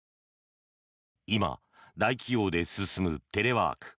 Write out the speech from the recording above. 今、大企業で進むテレワーク。